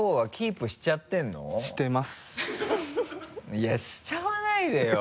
いやしちゃわないでよ。